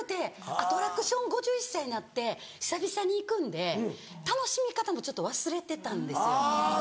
アトラクション５１歳になって久々に行くんで楽しみ方もちょっと忘れてたんですよ。